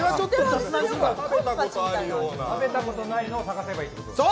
食べたことないのを探せばいいってことか。